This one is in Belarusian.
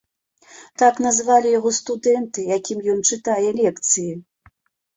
Так назвалі яго студэнты, якім ён чытае лекцыі.